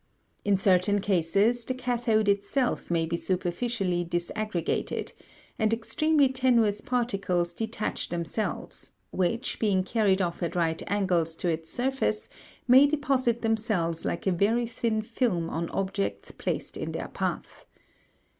In certain cases the cathode itself may be superficially disaggregated, and extremely tenuous particles detach themselves, which, being carried off at right angles to its surface, may deposit themselves like a very thin film on objects placed in their path.